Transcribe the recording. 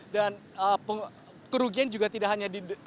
dan kerugian juga tidak hanya di